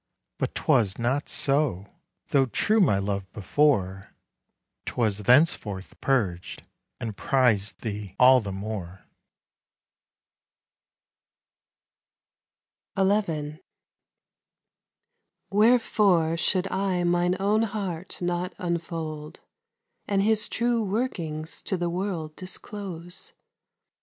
But 'twas not so; though true my love before, 'Twas thenceforth purg'd, and priz'd thee all the more. XI Wherefore should I mine own heart not unfold, And his true workings to the world disclose?